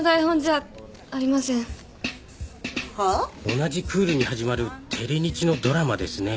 同じクールに始まるテレ日のドラマですね。